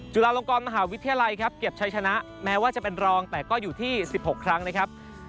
จุฬาลงกรมหาวิทยาลัยครับเก็บชัยชนะแม้ว่าจะเป็นรองแต่ก็อยู่ที่๑๖ครั้งนะครับ